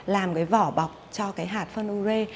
làm cái vỏ bọc cho cái hạt phân u rê